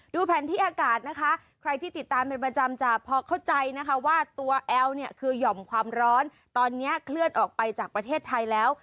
แผนที่อากาศนะคะใครที่ติดตามเป็นประจำจะพอเข้าใจนะคะว่าตัวแอลเนี่ยคือหย่อมความร้อนตอนนี้เคลื่อนออกไปจากประเทศไทยแล้ว